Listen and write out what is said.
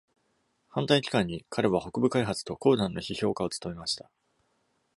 反対期間に、、彼は北部開発と鉱山の批評家を務めました。